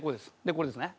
これですね。